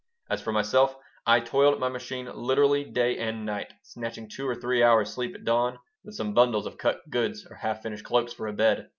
As for myself, I toiled at my machine literally day and night, snatching two or three hours' sleep at dawn, with some bundles of cut goods or half finished cloaks for a bed.